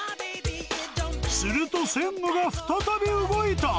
すると専務が再び動いた。